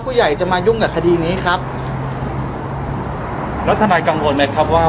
พี่แจงในประเด็นที่เกี่ยวข้องกับความผิดที่ถูกเกาหา